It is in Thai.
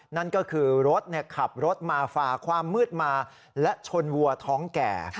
นั่นก็คือรถขับรถมาฝ่าความมืดมาและชนวัวท้องแก่